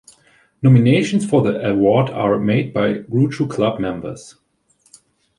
Nominations for the award are made by Groucho Club members.